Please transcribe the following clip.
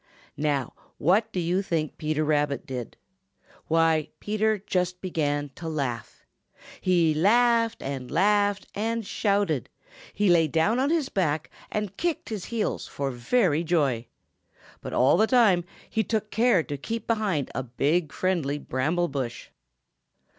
Now, what do you think Peter Rabbit did? Why, Peter just began to laugh. He laughed and laughed and shouted! He lay down on his back and kicked his heels for very joy! But all the time he took care to keep behind a big, friendly bramble bush.